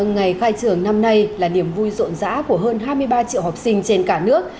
ngày khai trường năm nay là niềm vui rộn rã của hơn hai mươi ba triệu học sinh trên cả nước